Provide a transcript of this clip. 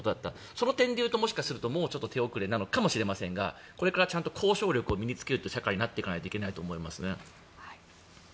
その点で言うともうちょっと手遅れなのかもしれませんがこれから競争力を身に着ける社会になっていかないといけないと思います。